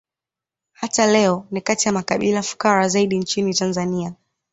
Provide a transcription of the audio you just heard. Hata leo ni kati ya makabila fukara zaidi nchini Tanzania